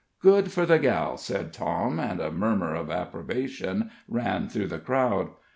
"Good for the gal," said Tom, and a murmur of approbation ran through the crowd.